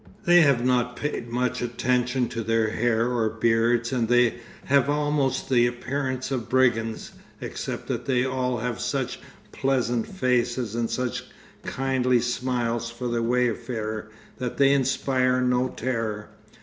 They have not paid much attention to their hair or beards, and they have almost the appearance of brigands, except that they all have such pleasant faces and such kindly smiles for the wayfarer that they inspire no terror.